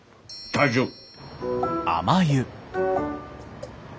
大丈夫。